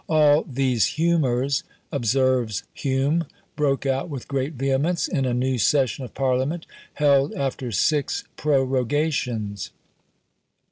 All "these humours," observes Hume, "broke out with great vehemence, in a new session of parliament, held after six prorogations."